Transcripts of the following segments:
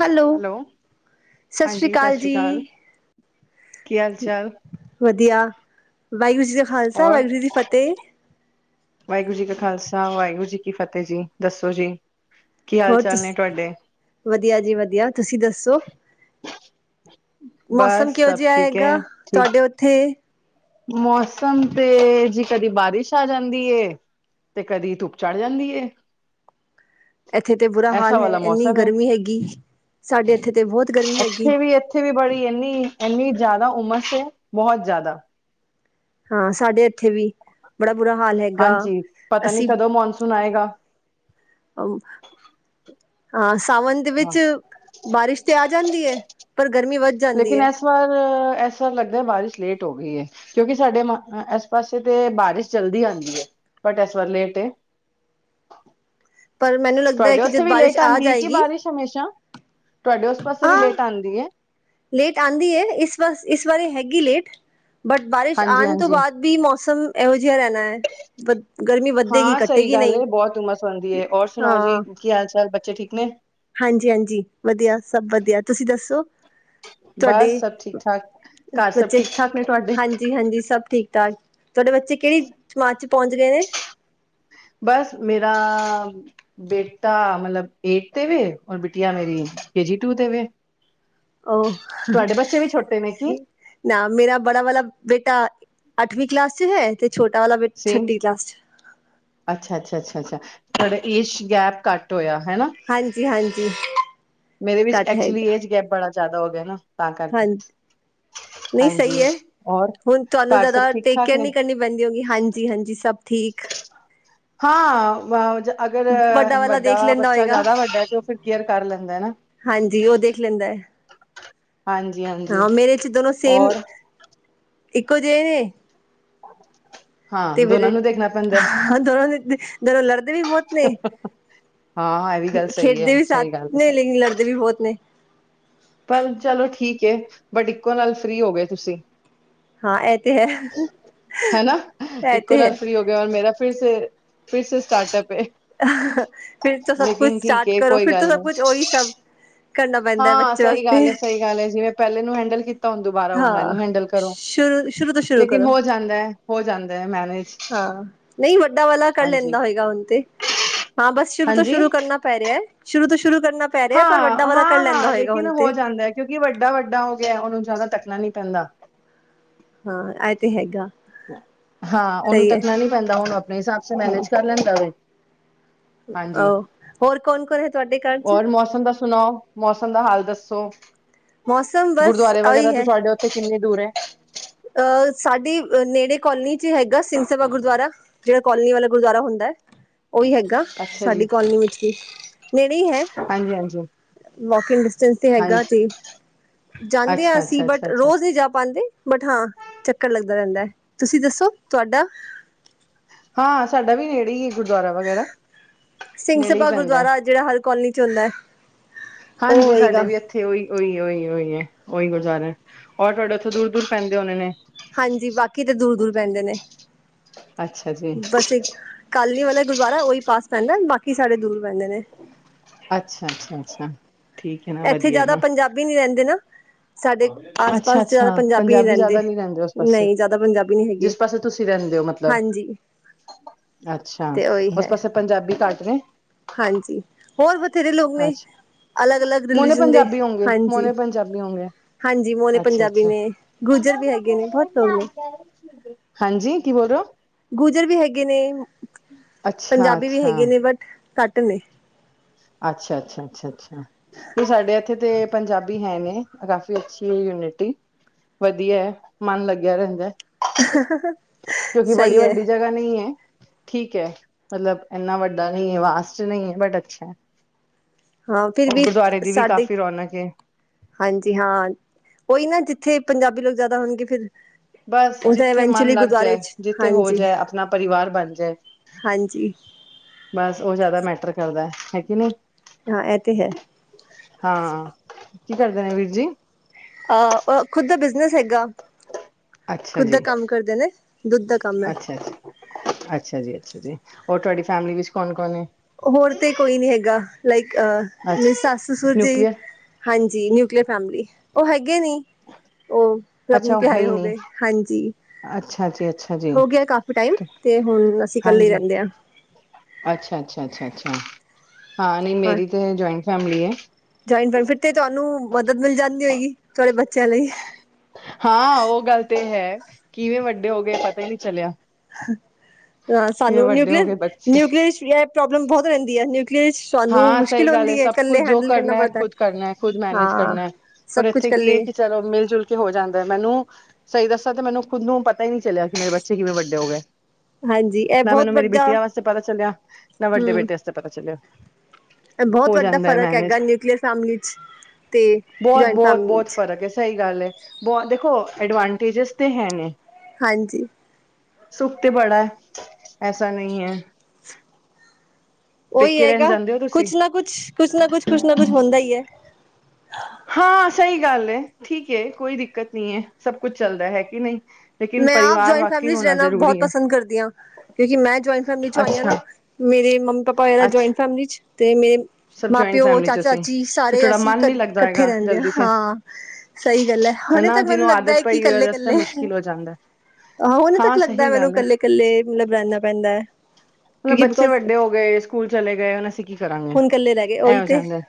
Hello ਸਤਿ ਸ੍ਰੀ ਅਕਾਲ ਜੀ। ਕੀ ਹਾਲ ਚਾਲ ਵਧੀਆ ਵਾਹਿਗੁਰੂ ਜੀ ਕਾ ਖ਼ਾਲਸਾ ਔਰ ਵਾਹਿਗੁਰੂ ਜੀ ਦੀ ਫਤਿਹ। ਵਾਹਿਗੁਰੂ ਜੀ ਕਾ ਖਾਲਸਾ ਵਾਹਿਗੁਰੂ ਜੀ ਕੀ ਫਤਿਹ ਜੀ ਦੱਸੋ ਜੀ। ਕੀ ਹਾਲ ਹੋਰ ਚਾਲ ਤੁਸ ਨੇ ਤੁਹਾਡੇ ਵਧੀਆ ਜੀ ਵਧੀਆ ਤੁਸੀਂ ਦੱਸੋ। ਮੌਸਮ ਬਸ ਕਿਹੋ ਸਭ ਜਿਹਾ ਠੀਕ ਹੈ ਹੈਗਾ ਠੀਕ ਤੁਹਾਡੇ ਉੱਥੇ। ਮੌਸਮ ਤੇ ਜੀ ਕਦੀ ਬਾਰਿਸ਼ ਆ ਜਾਂਦੀ ਤੇ ਕਦੀ ਧੁੱਪ ਚੜ ਜਾਂਦੀ। ਇੱਥੇ ਤੇ ਬੁਰਾ ਹਾਲ ਐਸਾ ਹੈ ਵਾਲਾ ਇੰਨੀ ਮੌਸਮ ਹੈ ਗਰਮੀ ਹੈਗੀ। ਸਾਡੇ ਇੱਥੇ ਤੇ ਬਹੁਤ ਗਰਮੀ ਹੈਗੀ, ਇੱਥੇ ਵੀ ਇੱਥੇ ਵੀ ਬੜੀ ਇੰਨੀ। ਇੰਨੀ ਜ਼ਿਆਦਾ ਉਮਰ ਸ ਬਹੁਤ ਜ਼ਿਆਦਾ। ਹਾਂ ਸਾਡੇ ਏ ਉੱਥੇ ਵੀ ਬੜਾ ਬੁਰਾ ਹਾਲ ਹੈਗਾ ਹਾਂਜੀ ਪਤਾ ਨੀ ਅਸੀਂ। ਕਦੋਂ ਮੌਨਸੂਨ ਆਏਗਾ ਅ ਹਾਂ ਸਾਵਨ ਦੇ ਹਾਂ ਵਿੱਚ। ਬਾਰਿਸ਼ ਤੇ ਆ ਜਾਂਦੀ ਹੈ, ਪਰ ਗਰਮੀ ਵੱਧ ਜਾਂਦੀ ਲੇਕਿਨ ਹੈ। ਇਸ ਵਾਰ ਇਸ ਵਾਰ ਲੱਗਦਾ ਬਾਰਿਸ਼ ਲੇਟ। ਹੋ ਗਈ ਹੈ ਕਿਉਂਕਿ ਸਾਡੇ ਮ ਐਸ ਪਾਸੇ ਤੇ ਬਾਰਿਸ਼ ਜਲਦੀ ਆਉਂਦੀ ਹੈ। ਪਟਿਆ ਸ ਵ ਲੇਟ ਹੈ [inaudible] ਪਰ ਮੈਨੂੰ ਲੱਗਦਾ ਹੈ ਤੁਹਾਡੇ ਕਿ ਉੱਥੇ ਜਦ ਵੀ ਬਾਰਿਸ਼ ਲੇਟ ਆ ਆਉਂਦੀ ਹੈ ਕਿ ਜਾਏਗੀ। ਬਾਰਿਸ਼ ਹਮੇਸ਼ਾ ਤੁਹਾਡੇ ਉਸ ਪਾਸੇ ਵੀ ਆਹ ਲੇਟ ਆਉਂਦੀ ਹੈ ਲੇਟ ਆਉਂਦੀ ਹੈ ਇਸ ਵ ਇਸ ਵਾਰੀ ਹੈਗੀ ਲੇਟ ਬਟ ਬਾਰਿਸ਼ ਹਾਂਜੀ ਆਉਣ ਤੋਂ ਹਾਂਜੀ ਬਾਅਦ ਵੀ ਮੌਸਮ ਇਹੋ ਜਿ ਜਿਹਾ ਰਹਿਣਾ ਹੈ ਵ ਗਰਮੀ ਵੱਧੇਗੀ ਹਾਂ ਸਹੀ ਕੱਟੇਗੀ ਗੱਲ ਨਹੀਂ ਹੈ ਬਹੁਤ ਉਮਸ ਹੁੰਦੀ ਹੈ ਔਰ ਸੁਣਾਓ ਜੀ ਹਾਂ। ਕੀ ਹਾਲ ਚਾਲ ਬੱਚੇ ਠੀਕ ਨੇ। ਹਾਂਜੀ ਹਾਂਜੀ ਵਧੀਆ ਸਭ ਵਧੀਆ ਤੁਸੀਂ ਦੱਸੋ। ਤੁਹਾਡੇ ਬਸ ਸਭ ਠੀਕ ਠਾਕ ਘਰ ਸਭ ਬੱਚੇ ਠੀਕ ਠਾਕ ਨੇ ਤੁਹਾਡੇ ਹਾਂਜੀ ਹਾਂਜੀ ਸਭ ਠੀਕ ਠਾਕ। ਤੁਹਾਡੇ ਬੱਚੇ ਕਿਹੜੀ ਜਮਾਤ ਚ ਪਹੁੰਚ ਗਏ ਨੇ। ਬਸ ਮੇਰਾ ਬੇਟਾ ਮਲਬ ਏਟ ਤੇ ਵੇ ਰ ਬਿਟਿਆ ਮੇਰੀ ਕੇਜੀ ਟੂ ਤੇ ਵੇ ਉਹ ਤੁਹਾਡੇ ਬੱਚੇ ਵੀ ਛੋਟੇ ਨੇ ਕੀ ਨਾ ਮੇਰਾ ਬੜਾ ਵਾਲਾ ਬੇਟਾ ਅੱਠਵੀਂ ਕਲਾਸ ਚ ਹੈ ਤੇ ਛੋਟਾ ਵਾਲਾ ਬੇ ਸੇਮ ਛੱਟੀ ਕਲਾਸ ਚ। ਬੜਾ ਏਸ਼ ਗੈਪ ਘੱਟ ਹੋਇਆ। ਹਨਾ ਹਾਂਜੀ, ਹਾਂਜੀ। ਮੇਰੇ ਵਿੱਚ ਘੱਟ ਐਕਚੁਲੀ ਹੈਗਾ ਏਜ ਗੈਪ ਬੜਾ ਜ਼ਿਆਦਾ ਹੋ ਗਿਆ ਨਾ ਤਾਂ ਕਰਕੇ। ਹ [inaudible] ਨਹੀਂ ਹਾਂਜੀ ਸਹੀ ਹੈ ਔਰ ਹੁਣ ਤੁਹਾਨੂੰ ਘਰ ਸਭ ਜ਼ਿਆਦਾ ਠੀਕ ਟੇਕ ਠਾਕ ਕੇਅਰ ਨੇ ਨਹੀਂ ਕਰਨੀ ਪੈਂਦੀ ਹੋਗੀ ਹਾਂਜੀ ਹਾਂਜੀ ਸਭ ਠੀਕ। [unintelligible] ਹਾਂ ਅਗਰ ਵਾਲਾ ਵੱਡਾ ਦੇਖ ਲੈਂਦਾ ਬੱਚਾ ਹੋਏਗਾ ਜ਼ਿਆਦਾ ਵੱਡਾ ਚ ਫ ਹਾਂਜੀ ਉਹ ਦੇਖ ਲੈਂਦਾ ਹੈ। ਹਾਂਜੀ ਹਾਂਜੀ ਹਾਂ ਮੇਰੇ ਚ ਦੋਨੋ ਸੇਮ ਔਰ ਇੱਕੋ ਜਿਹੇ ਨੇ। ਹਾਂ ਤੇ ਦੋਨਾਂ ਨੂੰ ਦੇਖਣਾ ਪੈਂਦਾ। ਜਦੋਂ ਲੜਦੇ ਵੀ ਬਹੁਤ ਨੇ। ਹਾਂ ਇਹ ਵੀ ਗੱਲ ਸਹੀ ਹੈ ਖੇਡਦੇ ਵੀ ਸਾਥ ਸਹੀ ਗੱਲ ਹੈ ਨੇ ਸਹੀ। ਲੇਕਿਨ ਲੜਦੇ ਵੀ ਬਹੁਤ ਨੇ। ਪਰ ਚਲੋ ਠੀਕ ਹੈ ਬਟ ਇੱਕੋ ਨਾਲ ਫ੍ਰੀ ਹੋ ਗਏ ਤੁਸੀਂ। ਹਾਂ ਇਹ ਤੇ ਹੈ ਹਨਾ ਇਹ ਇੱਕੋ ਤੇ ਨਾਲ ਹੈ ਫ੍ਰੀ ਹੋ ਗਏ ਔਰ ਮੇਰਾ ਫਿਰ ਫਿਰ ਸਟਾਰਟਅਪ ਫਿਰ ਤਾਂ ਸਭ ਕੁਛ ਲੇਕਿਨ ਠੀਕ ਸਟਾਰਟ ਕਰੋ ਕੋਈ ਫਿਰ ਤਾਂ ਗੱਲ ਸਭ ਨੀ ਕੁਛ ਉਹੀ ਸਭ ਕਰਨਾ ਪੈਂਦਾ ਹਾਂ ਬੱਚੇ ਸਹੀ ਵਾਸਤੇ ਗੱਲ ਹੈ ਸਹੀ ਗੱਲ ਹੈ ਜਿਵੇਂ ਪਹਿਲੇ ਨੂੰ ਹੈਂਡਲ ਕੀਤਾ। ਹੁਣ ਦੁਬਾਰਾ ਹਾਂ ਇਹਨੂੰ ਹੈਂਡਲ ਕਰੋ। ਸ਼ੁਰੂ ਸ਼ੁਰੂ ਤੋਂ ਸ਼ੁਰੂ ਲੇਕਿਨ ਕਰੋ ਹੋ ਜਾਂਦਾ, ਹੋ ਜਾਂਦਾ, ਮੈਨੇਜ। ਨਹੀਂ ਵੱਡਾ ਵਾਲਾ ਕਰ ਹਾਂਜੀ ਲੈਂਦਾ ਹੋਏਗਾ। ਹੁਣ ਤੇ ਹਾਂ। ਬਸ ਸ਼ੁਰੂ ਤੋਂ ਹਾਂਜੀ ਸ਼ੁਰੂ ਕਰਨਾ ਪੈ ਰਿਹਾ। ਸ਼ੁਰੂ ਤੋਂ ਸ਼ੁਰੂ ਕਰਨਾ ਪੈ ਰਿਹਾ ਪਰ ਵੱਡਾ ਹਾਂ- ਵਾਲਾ ਕਰ ਹਾਂ- ਲੈਂਦਾ ਹਾਂ ਹੋਏਗਾ ਲੇਕਿਨ ਹੁਣ ਹੋ ਤੇ ਜਾਂਦਾ। ਕਿਉਂਕਿ ਵੱਡਾ- ਵੱਡਾ ਹੋ ਗਿਆ ।ਉਹਨੂੰ ਜ਼ਿਆਦਾ ਤੱਕ ਣਾ ਨੀ ਪੈਂਦਾ। ਹਾਂ, ਇਹ ਤੇ ਹੈਗਾ। ਹਾਂ। ਉਹਨੂੰ ਸਹੀ ਹੈ ਤੱਕਣਾ ਨੀ ਪੈਂਦਾ। ਉਹਨੂੰ ਆਪਣੇ ਹਿਸਾਬ ਹਮ ਮੈਨੇਜ ਕਰ ਲੈਂਦਾ ਵ। ਆਹੋ ਹੋਰ ਕੌਣ -ਕੌਣ ਹੈ ਤੁਹਾਡੇ ਘਰ? ਚ ਹੋਰ ਮੌਸਮ ਦਾ ਸੁਣਾਓ, ਮੌਸਮ ਦਾ ਹਾਲ ਦੱਸੋ? ਮੌਸਮ ਬਸ ਗੁਰਦੁਆਰੇ ਵਗੈਰਾ ਆਹੀ ਤੋਂ ਹੈ ਤੁਹਾਡੇ ਉੱਥੇ ਕਿੰਨੀ ਦੂਰ ਹੈ? ਅਹ ਸਾਡੀ ਨੇੜੇ ਕਾਲੋਨੀ ਚ ਹੈਗਾ। ਸਿੰਘ ਸਭਾ ਗੁਰਦੁਆਰਾ ਜਿਹੜਾ ਕਾਲੋਨੀ ਵਾਲਾ ਗੁਰਦੁਆਰਾ ਹੁੰਦਾ। ਉਹੀ ਹੈਗਾ। ਅੱਛਾ ਜੀ ਸਾਡੀ ਕੋਲੋਨੀ ਵਿਚ ਵੀ, ਨੇੜ ਹੈ। ਹਾਂਜੀ ਹਾਂਜੀ ਵਾਕਿੰਗ ਡਿਸਟੈਂਸ ਤੇ ਹਾਂਜੀ ਹੈਗਾ ਤੇ, ਜਾਂਦੇ ਹ ਅੱਛਾ ਅਸੀਂ ਅੱਛਾ ਅੱਛਾ ਬਟ ਅੱਛਾ ਰੋਜ਼ ਨਹੀਂ ਜਾ ਪਾਉਂਦੇ। ਪ ਹਾਂ ਚੱਕਰ ਲੱਗਦਾ ਰਹਿੰਦਾ ਹੈ। ਤੁਸੀਂ ਦੱਸੋ ਤੁਹਾਡਾ ਹਾਂ। ਸਾਡਾ ਵੀ ਨੇੜੇ ਹੀ ਹੈ ਗੁਰਦੁਆਰਾ ਵਗੈਰਾ ਸਿੰਘ ਮਿਲ ਸਭਾ ਪੈਂਦਾ। ਗੁਰਦੁਆਰਾ ਜਿਹੜਾ ਹਰ ਕਲੋਨੀ ਚ ਹੁੰਦਾ ਹੈ ਉਹ ਹਾਂਜੀ। ਹੋਏਗਾ ਸਾਡੇ ਵੀ ਇੱਥੇ ਉਹੀ ਉਹੀ- ਉਹੀ- ਉਹੀ- ਉਹੀ ਗੁਜ਼ਾਰਾ ਔਰ ਤੁਹਾਡੇ ਉੱਥੋਂ ਦੂਰ- ਦੂਰ ਪੈਂਦੇ ਹੋਣੇ ਨੇ। ਹਾਂਜੀ ਬਾਕੀ ਤੇ ਦੂਰ ਦੂਰ ਪੈਂਦੇ ਨੇ ਅੱਛਾ ਜੀ। ਕੱਲ ਨੀ ਵਾਲਾ ਗੁਦਵਾਰਾ ਉਹੀ ਪਾਸ ਪੈਂਦਾ। ਬਾਕੀ ਸਾਡੇ ਦੂਰ ਪੈਂਦੇ ਨੇ। ਅੱਛਾ- ਅੱਛਾ- ਅੱਛਾ। ਠੀਕ ਹੈ ਨਾ ਇੱਥੇ ਵਧੀਆ ਜਿਆਦਾ ਨਾ ਪੰਜਾਬੀ ਨੀ ਰਹਿੰਦੇ ਨਾ। ਸਾਡੇ ਆਸ ਅੱਛਾ ਪਾਸ ਜ਼ਿਆਦਾ ਅੱਛਾ ਪੰਜਾਬੀ ਨਹੀਂ ਰਹਿੰਦੇ। ਜ਼ਿਆਦਾ ਉਸ ਪਾਸੇ ਨਹੀਂ ਜ਼ਿਆਦਾ ਪੰਜਾਬੀ ਨਹੀਂ ਹੈਗੇ। ਜਿਸ ਪਾਸੇ ਤੁਸੀਂ ਮਤਲਬ, ਹਾਂਜੀ ਅੱਛਾ। ਤੇ ਉਹੀ ਉਸ ਹੈ ਪਾਸੇ ਪੰਜਾਬੀ ਘਾਟ ਹਾਂਜੀ ।ਹੋਰ ਬਥੇਰੇ ਲੋਕ ਨੇ ਅੱਛਾ ਅਲੱਗ -ਅਲੱਗ ਮੋਨੇ ਰਿਲੀਜ਼ਨ ਦੇ ਪੰਜਾਬੀ ਹੋਂਗੇ ।ਹਾਂਜੀ। ਮੋਨੇ ਪੰਜਾਬੀ ਹੋਂਗੇ ਹਾਂਜੀ। ਮੋਲੇ ਅੱਛਾ ਪੰਜਾਬੀ ਅੱਛਾ ਨੇ, ਗੁਜਰ ਵੀ ਹੈਗੇ ਨੇ ਬਹੁਤ ਲੋਕ ਨੇ ਹਾਂਜੀ ਕੀ ਬੋਲ ਰਹੇ ਹੋ ਗੁਜਰ ਵੀ ਹੈਗੇ ਨੇ, ਅੱਛਾ ਪੰਜਾਬੀ ਵੀ ਅੱਛਾ ਹੈਗੇ ਨੇ, ਬਟ ਘੱਟ ਨੇ ਅੱਛਾ- ਅੱਛਾ- ਅੱਛਾ -ਅੱਛਾ ਤੇ ਸਾਡੇ ਇੱਥੇ ਤੇ ਪੰਜਾਬੀ ਹੈ ਨੇ। ਕਾਫੀ ਅੱਛੀ ਯੂਨਿਟੀ, ਵਧੀਆ। ਮਨ ਲੱਗਿਆ ਰਹਿੰਦਾ ਹੈ। ਕਿਉਂਕਿ ਬੜੀ ਸਹੀ ਹੈ ਵੱਡੀ ਜਗ੍ਹਾ ਨਹੀਂ ਹੈ। ਠੀਕ ਹੈ। ਮਤਲਬ ਇਨਾ ਵੱਡਾ ਨਹੀਂ ਹੈ। ਵਾਸ ਚ ਨਹੀਂ ਹੈ ਬਟ ਅੱਛਾ। ਹਾਂ। ਫਿਰ ਔਰ ਵੀ ਗੁਰਦੁਆਰੇ ਦੀ ਵੀ ਸਾਡੇ ਕਾਫ਼ੀ ਰੌਣਕ ਹੈ ਹਾਂਜੀ। ਹਾਂ, ਉਹੀ ਨਾ ਜ ਇੱਥੇ ਪੰਜਾਬੀ ਲੋਕ ਜ਼ਿਆਦਾ ਹੋਣਗੇ। ਫਿਰ ਬਸ ਉਥੇ ਜਿੱਥੇ ਮਨ ਇਵੈਂਚੁਲੀ ਲੱਗ ਗੁਰਦੁਆਰੇ ਜਾਏ। ਚ ਜਿੱਥੇ ਹੋ ਹਾਂਜੀ ਜਾਏ, ਆਪਣਾ ਪਰਿਵਾਰ ਬਣ ਜਾਏ। ਹਾਂਜੀ। ਬਸ ਉਹ ਜ਼ਿਆਦਾ ਮੈਟਰ ਕਰਦਾ। ਹੈਗੀ ਨਹੀਂ। ਹਾਂ। ਇਹ ਤੇ ਹੈ। ਹਾਂ, ਕੀ ਕਰਦੇ ਨੇ ਵੀਰ ਜੀ। ਅਹ ਖੁਦ ਦਾ ਬਿਜਨਸ ਹੈਗਾ। ਅੱਛਾ ਖੁਦ ਦਾ ਜੀ। ਕੰਮ ਕਰਦੇ ਨੇ ਦੁੱਧ ਦਾ ਕੰਮ ਹੈ ਅੱਛਾ- ਅੱਛਾ- ਅੱਛਾ ਜੀ। ਅੱਛਾ ਜੀ। ਹੋਰ ਤੁਹਾਡੀ ਫੈਮਿਲੀ ਵਿੱਚ ਕੌਣ ਕੌਣ ਏ ਹੋਰ ਤੇ ਕੋਈ ਨੀ ਹੈਗਾ। ਲਾਈਕ ਅਹ ਅੱਛਾ ਸੱਸ- ਸੁਰ ਜੀ ਨਿਊਕਲੀਅਰ ਹਾਂਜੀ। ਨਿਊਕਲੀਅਰ ਫੈਮਲੀ ਉਹ ਹੈਗੇ ਨੀ। ਉਹ ਸਭ ਅੱਛਾ ਨੂੰ ਉਹ ਹੈ ਪਿਆਰੇ ਹੀ ਹੋ ਨਹੀਂ ਗਏ। ਹਾਂਜੀ। ਅੱਛਾ ਜੀ ਅੱਛਾ ਜੀ ਹੋ ਗਿਆ ਕਾਫੀ ਟਾਈਮ ਤੇ ਹੁਣ ਅਸੀਂ ਇਕੱਲੇ ਹਾਂਜੀ ਰਹਿੰਦੇ ਆ। ਅੱਛਾ- ਅੱਛਾ- ਅੱਛਾ- ਅੱਛਾ ਹਾਂ। ਨਹੀਂ ਮੇਰੀ ਤੇ ਜੋਇੰਟ ਫੈਮਲੀ ਹੈ। ਜੋਇੰਟ ਬੈਫਿਟ ਤੇ ਤੁਹਾਨੂੰ ਮਦਦ ਮਿਲ ਜਾਂਦੀ ਹੋਏਗੀ। ਤੁਹਾਡੇ ਬੱਚਿਆਂ ਲਈ ਹਾਂ, ਉਹ ਗੱਲ ਤੇ ਹੈ। ਕਿਵੇਂ ਵੱਡੇ ਹੋ ਗਏ ਪਤਾ ਹੀ ਨਹੀ ਚਲੀਆਂ? ਹਾਂ ਅ ਸਾਨੂੰ ਹੋ ਨਿਊਕਲੀਅਸ, ਗਏ ਬੱਚੇ ਨਿਊਕਲੀਅਸ ਪ੍ਰੋਬਲਮ ਬਹੁਤ ਰਹਿੰਦੀ ਹੈ। ਨਿਊਕਲੀਅਸ ਸਾਨੂੰ ਮੁਸ਼ਕਿਲੁੰ ਹਲੇ ਸਭ ਕੁਛ ਜੋ ਕਰਨਾ ਹੈ, ਖੁਦ ਕਰਨਾ ਹੈ, ਖੁਦ ਮੈਨੇਜ ਹਾਂ ਕਰਨਾ ਹੈ ਔਰ ਸਭ ਕੁਛ ਇੱਥੇ ਕੀ ਹੈ ਇਕੱਲੇ ਕਿ ਚਲੋ ਮਿਲ ਜੁਲ ਕੇ ਹੋ ਜਾਂਦਾ। ਮੈਨੂੰ, ਸਹੀ ਦੱਸਾ ਤੇ ਮੈਨੂੰ ਖੁਦ ਨੂੰ ਪਤਾ ਹੀ ਨਹੀਂ ਚਲਿਆ ਕਿ ਮੇਰੇ ਬੱਚੇ ਕਿਵੇਂ ਵੱਡੇ ਹੋ ਗਏ। ਹਾਂਜੀ ਇਹ ਨਾ ਮੈਨੂੰ ਬਹੁਤ ਮੇਰੀ ਵੱਡਾ ਬਿਟੀਆਂ ਵਾਸਤੇ ਪਤਾ ਚੱਲਿਆ, ਨਾ ਵੱਡੇ ਬੇਟੇ ਵਾਸਤੇ ਪਤਾ ਚੱਲਿਆ। ਐ ਬਹੁਤ ਹੋ ਵੱਡਾ ਜਾਂਦਾ ਹੈ ਫ਼ਰਕ ਮੈਨੇਜ ਹੈਗਾ ਨਿਊਕਲੀਅਰ ਫਮਲੀ ਚ ਤੇ ਬਹੁਤ- ਜੁਆਇੰਟ ਬਹੁਤ ਫੈਮਿਲੀ -ਬਹੁਤ ਚ ਫ਼ਰਕ ਸਹੀ ਗੱਲ ਏ। ਬਹੁਤ ਦੇਖੋ ਐਡਵਾਂਟੇਜਿਸ ਤੇ ਹੈ ਨੇ ਹਾਂਜੀ। ਸੁਖ ਤੇ ਬੜਾ ਹੈ ਐਸਾ ਨਹੀਂ ਹੈ। ਉਹੀ ਪੇਕੇ ਰਹਿਣ ਹੈਗਾ। ਜਾਂਦੇ ਹੋ ਤੁਸੀਂ ਕੁਛ ਨਾ ਕੁਛ, ਕੁਛ ਨਾ ਕੁਛ, ਕੁਛ ਨਾ ਕੁਛ ਹੁੰਦਾ ਹੀ ਹੈ। ਹਾਂ। ਸਹੀ ਗੱਲ ਹੈ। ਠੀਕ ਹੈ, ਕੋਈ ਦਿੱਕਤ ਨਹੀਂ ਹੈ, ਸਭ ਕੁੱਛ ਚੱਲਦਾ ਹੈ। ਕਿ ਨਹੀਂ ਲੇਕਿਨ ਮੈਂ ਆਪ ਪਰਿਵਾਰ ਜੋਇੰਟ ਵਾਕਈ ਫੈਮਿਲੀ ਚ ਹੋਣਾ ਰਹਿਣਾ ਬਹੁਤ ਜ਼ਰੂਰੀ ਹੈ ਪਸੰ ਕਰਦੀ ਹਾਂ, ਕਿਉਂਕਿ ਮੈਂ ਜੋਇੰਟ ਫੈਮਿਲੀ ਚੋ ਆਈ ਆਂ ਨਾ ਅੱਛਾ ਮੇਰੇ ਮਮੀ ਪਾਪਾ ਹੋਏ ਨਾ, ਅੱਛਾ ਜੋਇੰਟ ਫੈਮਿਲੀ ਚ ਤੇ ਮੈਂ ਸਭ ਮਾਂ- ਜੁਆਇੰਟ ਪਿਓ, ਫੈਮਿਲੀ ਚਾਚਾ- ਚ ਅਸੀਂ ਚਾਚੀ ਫਿਰ ਸਾਰੇ ਥੋੜਾ ਅਸੀਂ ਮਨ ਨੀ ਲੱਗਦਾ ਇਕੱਠੇ ਹੈਗਾ ਰਹਿੰਦੇ ਜਲਦੀ ਸੇ ਹਾਂ। ਸਹੀ ਗੱਲ ਹੈ। ਹੁਣੇ ਹਨਾ ਤੱਕ ਮੈਨੂੰ ਜਿਹਨੂੰ ਲੱਗਦਾ ਹੈ, ਆਦਤ ਕਿ ਪਈ ਹੋਏ ਇਕੱਲੇ ਰਸਤੇ ਕੱਲੇ ਮੁਸ਼ਕਿਲ ਹੋ ਜਾਂਦਾ ਆਹੋ ਉਹਨੇ ਤੱਕ ਹਾਂ ਲੱਗਦਾ ਸਹੀ ਮੈਨੂੰ ਗੱਲ ਹੈ ਕੱਲੇ ਕੱਲੇ, ਮਤਲਬ ਰਹਿਣਾ ਪੈਂਦਾ ਹੈ ਹੁਨ ਕਿਉਂਕਿ ਬੱਚੇ ਬਿਕੋਜ ਵੱਡੇ ਹੋ ਗਏ। ਸਕੂਲ ਚਲੇ ਗਏ। ਹੁਨ ਅਸੀ ਕੀ ਕਰਾਂਗੇ ਹੁਣ ਕੱਲੇ ਰਹਿ ਗਏ। ਐ ਉਹੀ ਹੋ ਤੇ ਜਾਂਦਾ ਹੈ।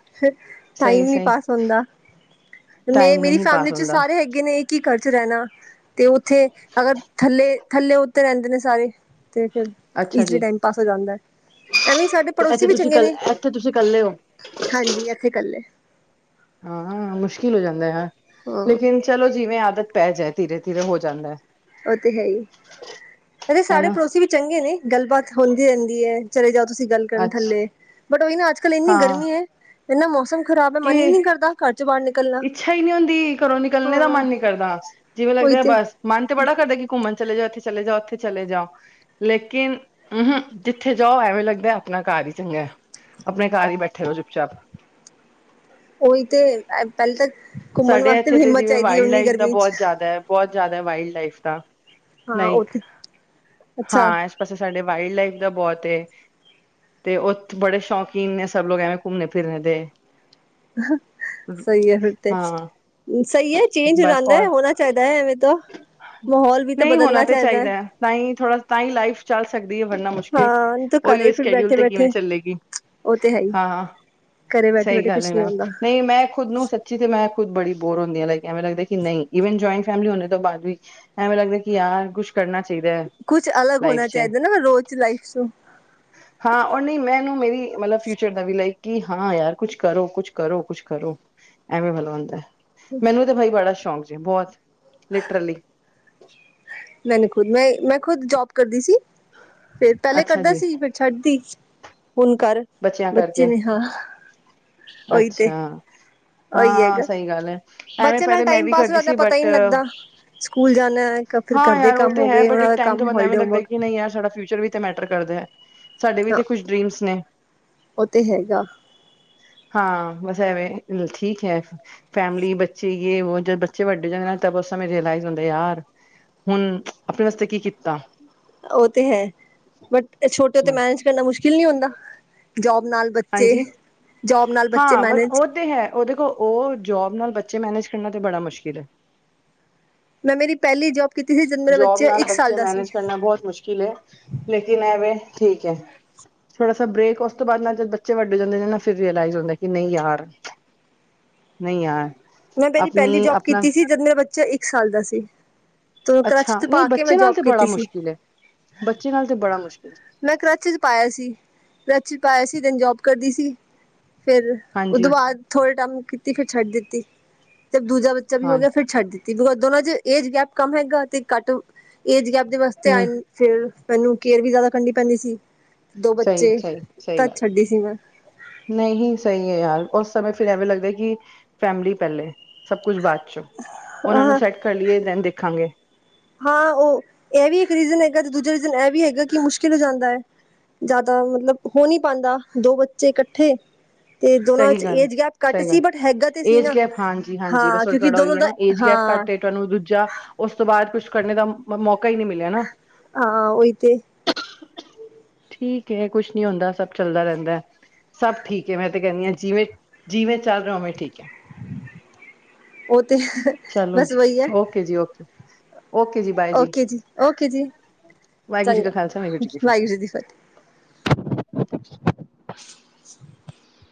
ਟਾਈਮ ਸਹੀ ਨੀ ਸਹੀ ਪਾਸ ਹੁੰਦਾ। ਮੈਂ ਟਾਈਮ ਮੇਰੀ ਨਹੀਂ ਫੈਮਿਲੀ ਪਾਸ ਚ ਹੁੰਦਾ ਸਾਰੇ ਹੈਗੇ ਨੇ ਇਹ ਕੀ ਕਰਦੇ ਰਹਿਣਾ ਤੇ ਉੱਥੇ ਅਗਰ ਥੱਲੇ- ਥੱਲੇ -ਉੱਤੇ ਰਹਿੰਦੇ ਨੇ ਸਾਰੇ ਅਤੇ ਫਿਰ ਅੱਛਾ ਈਜ਼ਲੀ ਜੀ ਟਾਈਮ ਪਾਸ ਹੋ ਜਾਂਦਾ। ਐਵੇਂ ਹੀ ਸਾਡੇ ਪੜੋਸੀ ਇੱਥੇ ਵੀ ਤੁਸੀਂ ਚੰਗੇ ਕੱਲ ਨੇ। ਤੇ ਇੱਥੇ ਤੁਸੀਂ ਕੱਲੇ ਹੋ? ਤੇ ਐਹ ਹਮ-ਹਮ ਮੁਸ਼ਕਿਲ ਹੋ ਜਾਂਦਾ ਆ। ਹਾਂ ਲੇਕਿਨ ਚਲੋ ਜਿਵੇਂ ਆਦਤ ਪੈ ਜਾਏ। ਧੀਰੇ- ਧੀਰੇ ਹੋ ਜਾਂਦਾ ਐ। ਉਹ ਤੇ ਹੈ ਹੀ। ਹੈ ਸਾਡੇ ਹਨਾ ਪੜੋਸੀ ਵੀ ਚੰਗੇ ਨੇ ਗੱਲਬਾਤ ਹੁੰਦੀ ਰਹਿੰਦੀ ਹੈ। ਚਲੇ ਜਾਓ ਤੁਸੀਂ ਗੱਲ ਕਰਨ ਅੱਛਾ ਥੱਲੇ, ਬਟ ਉਹੀ ਨਾ ਅੱਜ ਕੱਲ ਇੰਨੀ ਹਾਂ ਗਰਮੀ ਹੈ। ਇੰਨਾ ਮੌਸਮ ਖਰਾਬ ਹੈ। ਮਨ ਹੀ ਕਿ ਨੀ ਕਰਦਾ ਘਰ ਚ ਬਾਹਰ ਨ ਇੱਛਾ ਹੀ ਨੀ ਹੁੰਦੀ। ਘਰੋਂ ਨਿਕਲਣੇ ਦਾ ਮਨ ਨੀ ਕਰਦਾ। ਜਿਵੇਂ ਉਹੀ ਲੱਗਦਾ ਤੇ ਬਸ ਮਨ ਤੇ ਬੜਾ ਕਰਦਾ ਕਿ ਘੁੰਮਣ ਚਲੇ ਜਾਓ, ਇੱਥੇ ਚਲੇ ਜਾਓ, ਉੱਥੇ ਚਲੇ ਜਾਓ, ਲੇਕਿਨ ਹਮਮ ਜਿੱਥੇ ਜਾਓ, ਐਵੇਂ ਲੱ ਲੱਗਦਾ ਆਪਣਾ ਘਰ ਹੀ ਚੰਗਾ ਐ। ਆਪਣੇ ਘਰ ਹੀ ਬੈਠੇ ਰਹੋ ਚੁੱਪ- ਚਾਪ ਉਹੀ ਤੇ ਪਹਿਲਾਂ ਤਾਂ ਘੁੰਮਣ ਸਾਡੇ ਵਾਸਤੇ ਇੱਥੇ ਵੀ ਤੇ ਹਿੰਮਤ ਜਿਵੇਂ ਚਾਹੀਦੀ ਹੈ ਵਾਈਲਡ ਉਨੀ ਲਾਈਫ ਦਾ ਗਰਮੀ ਚ ਬਹੁਤ ਜ਼ਿਆਦਾ ਹੈ। ਬਹੁਤ ਜ਼ਿਆਦਾ ਵਾਈਲਡ ਲਾਈਫ ਦਾ ਹਾਂ ਉਹ ਲਾਈਕ, ਤੇ ਅੱਛਾ ਹਾਂ। ਇਸ ਪਾਸੇ ਸਾਡੇ ਵਾਈਲਡ ਲਾਈਫ ਦਾ ਬਹੁਤ ਏ। ਤੇ ਉਹ ਬੜੇ ਸ਼ੌਕੀਨ ਨੇ ਸਭ ਲੋਕ ਐਵੇਂ ਘੁੰਮਨੇ ਫਿਰਨ ਦੇ ਸਹੀ ਹੈ ਫਿਰ ਹਾਂ ਸਹੀ ਹੈ ਚੇਂਜ ਹੋ ਬਸ ਜਾਂਦਾ ਔਰ ਹੈ। ਹੋਣਾ ਚਾਹੀਦਾ ਹੈ। ਐਵੇਂ ਤਾ ਨਹੀਂ ਹੋਣਾ ਤੇ ਚਾਹੀਦਾ ਹੈ। ਤਾਂ ਹੀ ਥੋੜਾ ਤਾਂ ਹੀ ਲਾਈਫ ਚੱਲ ਸਕਦੀ। ਇਹੋ ਕਰਨਾ ਮੁਸ਼ਕਿਲ, ਹਾਂ ਨਹੀਂ ਤਾਂ ਘਰੇ ਉਹੀ ਫਿਰ ਸ਼ਡਿਊਲ ਬੈਠੇ ਤੇ ਕਿਵੇਂ ਬੈਠੇ ਚੱਲੇਗੀ। ਉਹ ਤੇ ਹੈ ਹੀ ਹਾਂ- ਹਾਂ ਘਰੇ ਬੈਠੇ ਸਹੀ ਬੈਠੇ ਗੱਲ ਕੁਛ ਹੈ ਨਹੀਂ ਨਾ। ਹੁੰਦਾ ਨਹੀਂ, ਮੈਂ ਖੁਦ ਨੂੰ ਸੱਚੀ ਤੇ ਮੈਂ ਖੁਦ ਬੜੀ ਬੋਰ ਹੁੰਦੀ ਹਾਂ ਲਾਈਕ ਐਵੇਂ ਲੱਗਦਾ ਕਿ ਨਹੀ, ਜਿਵੇ ਜੁਇੰਟ ਫੈਮਿਲੀ ਹੋਣੇ ਤੋਂ ਬਾਅਦ ਵੀ ਐਵੇਂ ਲੱਗਦਾ ਕਿ ਯਾਰ ਕੁਛ ਕਰਨਾ ਚ ਕਰੀ ਦਾ, ਕੁਛ ਅਲੱਗ ਲਾਈਫ ਹੋਣਾ ਚ, ਚਾਹੀਦਾ ਨਾ ਰੋਜ਼ ਲਾਈਫ ਚ ਹਾਂ। ਉਹ ਨਹੀਂ ਮੈਂਨੂੰ ਮੇਰੀ ਕੀ ਮਤਲਬ ਫਿਊਚਰ ਦਾ ਵੀ ਲਾਈਕ ਕਿ ਹਾਂ ਯਾਰ ਕੁਛ ਕਰੋ, ਕੁਛ ਕਰੋ, ਕੁਛ ਕਰੋ। ਐਵੇਂ ਵੱਲ ਹੁੰਦਾ। ਮੈਨੂੰ ਤੇ ਬਾਈ ਬੜਾ ਸ਼ੌਕ ਬਹੁਤ, ਲਿਟਰਲੀ ਮੈਨੂੰ ਖੁਦ ਮੈਂ- ਮੈਂ ਖੁਦ ਜੋਬ ਕਰਦੀ ਸੀ। ਫਿਰ ਪਹਿਲੇ ਅੱਛਾ ਕਰਦਾ ਜੀ ਸੀ। ਫਿਰ ਛੱਡਦੀ ਹੁਣ ਘਰ ਬੱਚਿਆਂ ਬੱਚੇ ਕਰਕੇ ਨੇ ਹਾਂ। ਉਹੀ ਤੇ ਅੱਛਾ। ਉਹੀ ਹਾਂ, ਹੈਗਾ ਸਹੀ ਗੱਲ ਹੈ। ਐਵੇਂ ਬੱਚੇ ਨਾਲ ਪਹਿਲੇ ਮੈਂ ਟਾਈਮ ਵੀ ਪਾਸ ਹੋ ਕਰਦੀ ਜਾਂਦਾ ਸੀ। ਪਤਾ ਹੀ ਬਟ ਨਹੀਂ ਲੱਗਦਾ ਸਕੂਲ ਜਾਣਾ ਹੈ ਫਿਰ ਹਾਂ। ਘਰ ਦੇ ਯਾਰ ਉਹ ਕੰਮ ਤੇ ਹੋ ਹੈ ਗਏ ਬਟ ਉਹਨਾਂ ਇੱਕ ਦਾ ਟਾਈਮ ਤੋਂ ਕੰਮ ਬਾਅਦ ਐਵੇਂ ਹੋਲੀਡੇ ਲੱਗਦਾ ਹੋਮਵਰਕ ਕਿ ਨਹੀਂ ਯਾਰ ਸਾਡਾ ਫਿਊਚਰ ਵੀ ਮੈਟਰ ਕਰਦਾ। ਸਾਡੇ ਵੀ ਹਾਂ ਤੇ ਕੁਛ ਡਰੀਮਸ ਨੇ ਉਹ ਤੇ ਹੈਗਾ। ਹਾਂ ਬਸ ਐਵੇਂ ਠੀਕ ਹੈ ਫੈਮਿਲੀ ਬੱਚੇ ਯੇ ਵੋ ਜੱਦ ਬੱਚੇ ਵੱਡੇ ਹੋ ਜਾਂ ਮੈਂ ਬਸ ਉਸ ਸਮੇਂ ਰਲਾਈਜ਼ ਹੁੰਦਾ ਯਾਰ, ਹੁਣ ਆਪਣੇ ਵਾਸਤੇ ਕੀ ਕੀਤਾ। ਉਹ ਤੇ ਹੈ ਬਟ ਛੋਟੇ ਉੱਤੇ ਮੈਨੇਜ ਕਰਨਾ ਮੁਸ਼ਕਿਲ ਨੀ ਹੁੰਦਾ। ਜੌਬ ਹਾਂਜੀ, ਬੱਚੇ ਹਾਂ ਬਟ ਮੈਨੇਜ ਉਹ ਤੇ ਹੈ ਉਹ ਦੇਖੋ ਉਹ ਜੋਬ ਨਾਲ ਬੱਚ ਤੇ ਮੈਨੇਜ ਕਰਨਾ ਤੇ ਬੜਾ ਮੁਸ਼ਕਿਲ ਏ। ਮੈਂ ਮੇਰੀ ਪਹਿਲੀ ਜੋਬ ਕੀਤੀ ਸੀ ਜਦ ਮੇਰਾ ਜੋਬ ਬੱਚਾ ਨਾਲ ਇੱਕ ਸਾਲ ਬੱਚੇ ਦਾ ਸੀ ਮੈਨੇਜ ਕਰਨਾ ਬਹੁਤ ਮੁਸ਼ਕਿਲ ਐ ਲੇਕਿਨ ਐਵੇਂ ਠੀਕ ਐ। ਥੋੜਾ ਸਾ ਬ੍ਰੇਕ, ਉਸ ਤੋਂ ਬਾਅਦ ਨਾ ਜਦ ਬੱਚੇ ਵੱਡੇ ਜਾਂਦੇ ਨੇ ਨਾ ਫਿਰ ਰੀਅਲਾਈਜ਼ ਹੁੰਦਾ ਕਿ ਨਹੀਂ ਯਾਰ ਨਹੀਂ ਯਾਰ। ਮੈਂ ਮੇਰੀ ਪਹਿਲੀ ਆਪਣੀ ਜੋਬ ਆਪਣਾ ਕੀਤੀ ਸੀ, ਜੱਦ ਮੇਰਾ ਬੱਚਾ ਇੱਕ ਸਾਲ ਦਾ ਸੀ। ਤੇ ਕਰਚ ਅੱਛਾ ਤੋਂ ਪਾ ਨਹੀਂ ਕੇ ਮੈਂ ਬੱਚੇ ਨਾਲ ਜੋਬ ਤੇ ਬੜਾ ਕੀਤੀ ਸੀ। ਮੁਸ਼ਕਿਲ ਹੈ ਬੱਚੇ ਨਾਲ ਤੇ ਬੜਾ ਮੁਸ਼ਕਿਲ ਮੈਂ ਕਰਚ ਚ ਪਾਇਆ ਸੀ। ਕਰਚ ਪਾਇਆ ਸੀ, ਦਿਨ ਜੋਬ ਕਰਦੀ ਸੀ। ਫੇਰ ਹਾਂਜੀ ਉਹਦੋਂ ਬਾਅਦ ਥੋੜੇ ਟੇਮ ਕੀਤੀ, ਫਿਰ ਛੱਡ ਦਿੱਤੀ। ਤੇ ਦੂਜਾ ਬੱਚਾ ਵੀ ਹੋ ਹਾਂ ਗਿਆ, ਫਿਰ ਛੱਡ ਦਿੱਤੀ ਦੋਨਾਂ ਚ ਏਜ ਗੈਪ ਕੰਮ ਹੈਗਾ ਤੇ ਘੱਟ ਏਜ ਗੈਪ ਦੇ ਵਾਸਤੇ ਆ, ਨਹੀਂ ਫੇਰ ਮੈਨੂੰ ਕੇਅਰ ਵੀ ਜ਼ਿਆਦਾ ਕਰਨੀ ਪੈਂਦੀ ਸੀ। ਦੋ ਸਹੀ, ਬੱਚੇ ਸਹੀ, ਸਹੀ ਤਦ ਗੱਲ ਛੱਡੀ ਸੀ ਮੈਂ ਨਹੀਂ ਸਹੀ ਐ ਯਾਰ ਉਸ ਸਮੇਂ ਫਿਰ ਐਵੇਂ ਲਗਦਾ ਕਿ ਫੈਮਿਲੀ ਪਹਿਲੇ, ਸਭ ਕੁਛ ਬਾਅਦ ਉਹਨਾਂ ਨੂੰ ਅ ਸੈਂਟ ਕਰ ਲਈਏ ਦੇਨ ਦੇਖਾਂਗੇ। ਹਾਂ, ਉਹ ਇਹ ਵੀ ਇੱਕ ਰੀਜ਼ਨ ਹੈਗਾ ਤੇ ਦੂਜਾ ਰੀਜ਼ਨ ਇਹ ਵੀ ਹੈਗਾ ਕਿ ਮੁਸ਼ਕਿਲ ਹੋ ਜਾਂਦਾ। ਜ਼ਿਆਦਾ ਮਤਲਬ ਹੋ ਨੀ ਪਾਂਦਾ, ਦੋ ਬੱਚੇ ਇਕੱਠੇ ਤੇ ਦੋਨਾਂ ਚ ਸਹੀ ਗੱਲ ਏਜ ਗੈਪ ਘੱਟ ਸਹੀ ਸੀ ਗੱਲ ਬਟ ਹੈਗਾ ਤੇ ਸੀ ਏਜ ਨਾ ਗੈਪ ਹਾਂ ਕਿਉਂਕਿ ਦੋਨੋ ਦਾ ਹਾਂ ਕਰ ਤੇ ਤੁਹਾਨੂੰ ਦੂਜਾ, ਉਸ ਤੋਂ ਬਾਅਦ ਕੁਛ ਕਰਨ ਦਾ ਮੌਕਾ ਹੀ ਨਹੀਂ ਮਿਲਿਆ ਨਾ ਹਾਂ ਉਹੀ ਤੇ ਠੀਕ ਐ। ਕੁਛ ਨੀ ਹੁੰਦਾ, ਸਭ ਚਲਦਾ ਰਹਿੰਦਾ। ਸਭ ਠੀਕ ਏ, ਮੈਂ ਤੇ ਕਹਿੰਦੀ ਹਾਂ ਜਿਵੇਂ, ਜਿਵੇਂ ਚੱਲ ਰਿਹਾ ਹੋਵੇਂ ਠੀਕ ਹੈ। ਉਹ ਤੇ ਚਲੋ ਬਸ ਜੀ ਵਹੀ ਆ ਓਕੇ ਜੀ ਓਕੇ ਓਕੇ ਜੀ ਬਾਏ ਓਕੇ ਜੀ, ਓਕੇ ਜੀ। ਵਾਹਿਗੁਰੂ ਜੀ ਕਾ ਚੰਗਾ, ਖਾਲਸਾ ਜੀ ਕੀ ਫਤਿਹ ਵਾਹਿਗੁਰੂ ਦੀ ਫਤਿਹ। [inaudible]